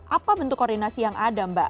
apa bentuk koordinasi yang ada mbak